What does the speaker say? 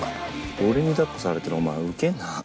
俺に抱っこされてるお前ウケるな。